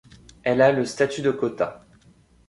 Elle a le statut de kota.